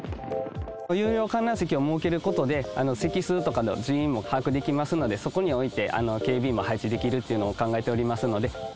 有料観覧席を設けることで、席数とかの人員も把握できますので、そこにおいて警備員も配置できるっていうのを考えておりますので。